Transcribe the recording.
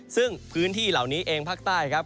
ซึ่งพื้นที่เหล่านี้เองภาคใต้ครับ